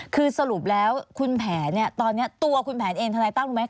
คือสรุปแล้วคุณแผนเนี่ยตอนนี้ตัวคุณแผนเองทนายตั้มรู้ไหม